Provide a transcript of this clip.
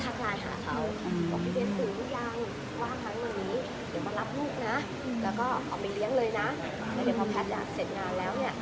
แล้วก็เอาไปเลี้ยงเลยนะแล้วเดี๋ยวพอแพทย์อยากเสร็จงานแล้วเนี่ย